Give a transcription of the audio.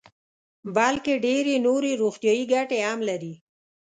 بلکې ډېرې نورې روغتیايي ګټې هم لري.